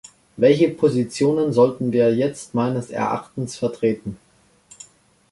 Welche Positionen sollten wir jetzt meines Erachtens vertreten?